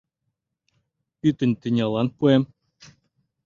Пӱтынь тӱнялан пуэм».